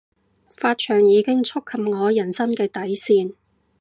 髮長已經觸及我人生嘅底線